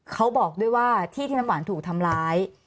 เขาบอกด้วยว่าที่ที่น้ำหวานถูกทำร้าย